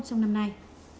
trong năm nay